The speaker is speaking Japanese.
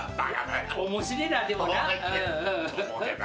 面白えなでもな。